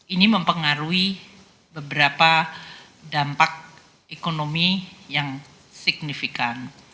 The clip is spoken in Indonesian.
ini mempengaruhi beberapa dampak ekonomi yang signifikan